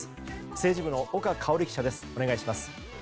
政治部の岡香織記者です。